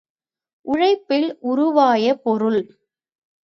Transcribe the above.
உழைப்பில் உருவாய பொருள்.